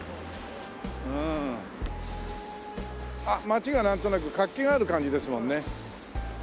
あっ街がなんとなく活気がある感じですもんね。